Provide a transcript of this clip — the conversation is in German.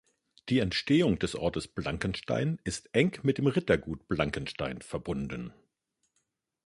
Die Entstehung des Ortes Blankenstein ist eng mit dem Rittergut Blankenstein verbunden.